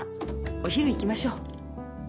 お昼行きましょう。